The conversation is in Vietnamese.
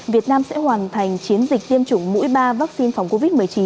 việt nam sẽ hoàn thành chiến dịch tiêm chủng mũi ba vaccine phòng covid một mươi chín